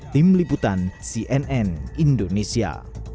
tim liputan cnn indonesia